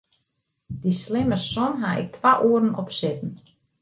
Dy slimme som haw ik twa oeren op sitten.